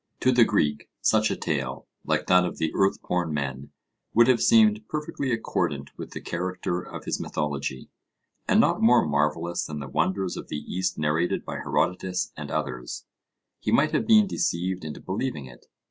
To the Greek such a tale, like that of the earth born men, would have seemed perfectly accordant with the character of his mythology, and not more marvellous than the wonders of the East narrated by Herodotus and others: he might have been deceived into believing it.